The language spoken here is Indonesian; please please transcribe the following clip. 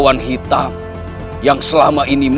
aku harus membantu dia